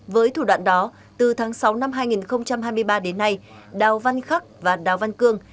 với thủ đoạn đó từ tháng sáu năm hai nghìn hai mươi ba đến nay đào văn khắc và đào văn cương